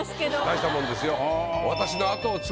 大したもんですよ。